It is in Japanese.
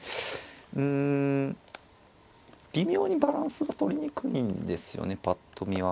うん微妙にバランスがとりにくいんですよねぱっと見は。